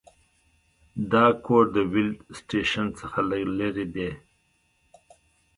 دا کور د ویلډ سټیشن څخه لږ لرې دی